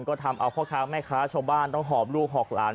ก็ทำเอาพ่อค้าแม่ค้าชาวบ้านต้องหอบลูกหอบหลาน